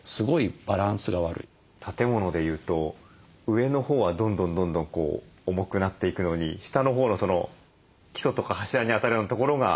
建物で言うと上のほうはどんどんどんどん重くなっていくのに下のほうの基礎とか柱にあたるようなところが徐々にもろくなっていくような。